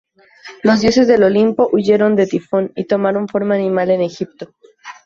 Los dioses del Olimpo huyeron de Tifón y tomaron forma animal en Egipto.